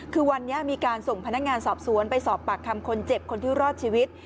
คือวันนี้มีการส่งพนักงานสอบสวนไปสอบปากคำคนเจ็บคนที่รอดชีวิต